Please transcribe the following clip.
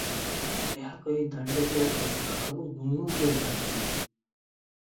ଏହା କହି ଦାଣ୍ତ ଦୁଆର ଡୋଲି ପାଖକୁ ଗୁମ୍ ଗୁମ୍ କରି ବାହାରିଗଲେ ।